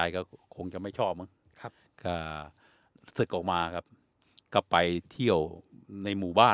ก็คงจะไม่ชอบมั้งครับก็ศึกออกมาครับก็ไปเที่ยวในหมู่บ้าน